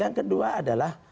yang kedua adalah